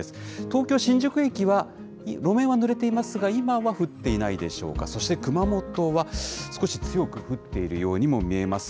東京・新宿駅は、路面はぬれていますが、今は降っていないでしょうか、そして熊本は、少し強く降っているようにも見えます。